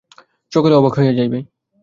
সকলে অবাক হইয়া যাইবে।